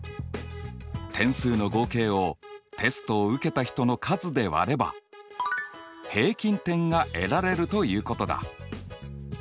点数の合計をテストを受けた人の数で割れば平均点が得られるということだ。